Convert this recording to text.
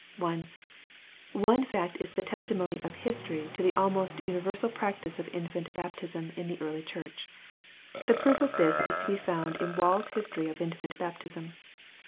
1. One fact is the testimony of history to the almost universal practice of infant baptism in the early church. The proof of this is to be found in Wall's History of Infant Baptism.